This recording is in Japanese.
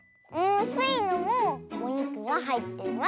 スイのもおにくがはいってます！